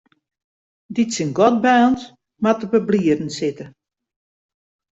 Dy't syn gat baarnt, moat op 'e blierren sitte.